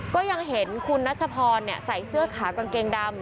ก็ยังเห็นคุณนัชพรใส่เสื้อขากางเกงดำ